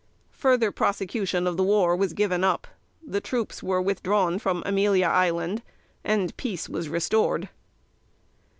Further prosecution of the war was given up, the troops were withdrawn from Amelia Island, and peace was restored.